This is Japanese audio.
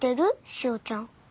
しおちゃん。